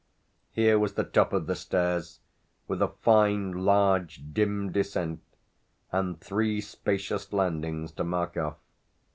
Here was the top of the stairs, with a fine large dim descent and three spacious landings to mark off.